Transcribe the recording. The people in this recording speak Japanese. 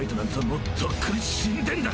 もうとっくに死んでんだ。